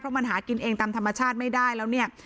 มันหากินเองตามธรรมชาติไม่ได้แล้วเนี่ย